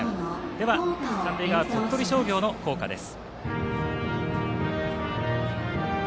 では三塁側、鳥取商業の校歌です。